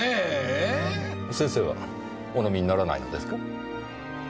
先生はお飲みにならないのですか？